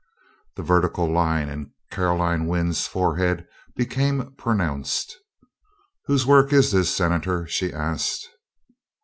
The vertical line in Caroline Wynn's forehead became pronounced. "Whose work is this, Senator?" she asked.